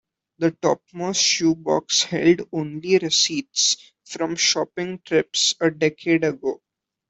The topmost shoe box held only receipts from shopping trips a decade ago.